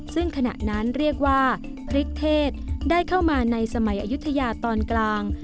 ซึ่งขณะนั้นเรียกว่าพริกเทศได้เข้ามาในสมัยอายุทยาตอนกลาง